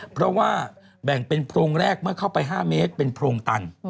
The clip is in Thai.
เพราะว่าแบ่งเป็นโพรงแรกเมื่อเข้าไป๕เมตรเป็นโพรงตัน